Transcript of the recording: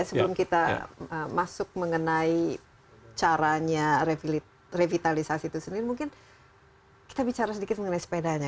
sebelum kita masuk mengenai caranya revitalisasi itu sendiri mungkin kita bicara sedikit mengenai sepedanya